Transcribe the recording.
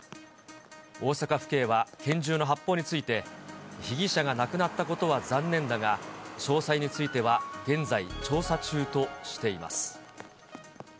大阪府警は拳銃の発砲について、被疑者が亡くなったことは残念だが、詳細については現在調査中としています。